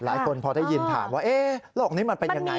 หลายคนพอได้ยินถามว่าโลกนี้มันเป็นยังไง